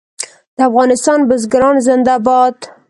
د افغانستان بزګران زنده باد.